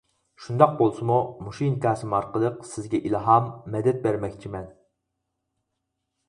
شۇنداق بولسىمۇ، مۇشۇ ئىنكاسىم ئارقىلىق سىزگە ئىلھام، مەدەت بەرمەكچىمەن.